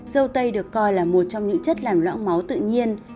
dâu tây được coi là một trong những chất làm lão máu tự nhiên